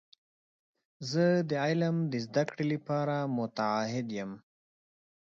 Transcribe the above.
زه د علم د زده کړې لپاره متعهد یم.